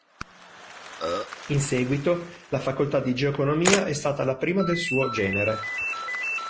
In seguito la facoltà di Geo-Economia è stata la prima del suo genere.